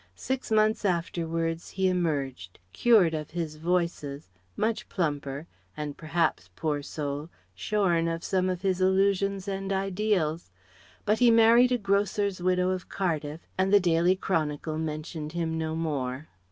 Six months afterwards he emerged, cured of his "voices," much plumper, and perhaps poor soul shorn of some of his illusions and ideals; but he married a grocer's widow of Cardiff, and the Daily Chronicle mentioned him no more.